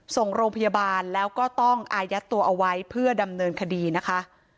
ส่งโรงพยาบาลแล้วก็ต้องอายัดตัวเอาไว้เพื่อดำเนินคดีนะคะ